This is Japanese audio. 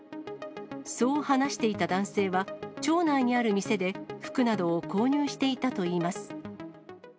そう話していた男性は、町内にある店で服などを購入していたといいます。